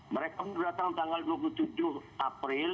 mereka datang tanggal dua puluh tujuh april